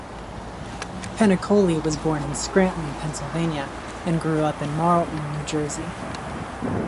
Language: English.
Penacoli was born in Scranton, Pennsylvania, and grew up in Marlton, New Jersey.